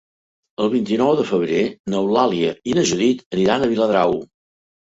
El vint-i-nou de febrer n'Eulàlia i na Judit aniran a Viladrau.